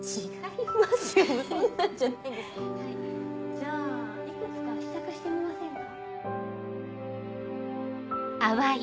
じゃあいくつか試着してみませんか？